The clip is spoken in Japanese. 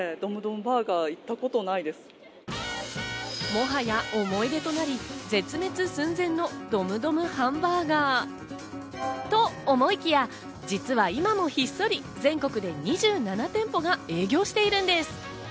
もはや思い出となり、絶滅寸前のドムドムハンバーガー。と思いきや、実は今もひっそり全国で２７店舗が営業しているんです！